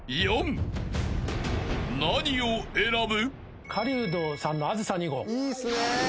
［何を選ぶ？］